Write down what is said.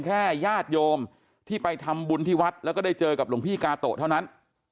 ญาติโยมที่ไปทำบุญที่วัดแล้วก็ได้เจอกับหลวงพี่กาโตะเท่านั้น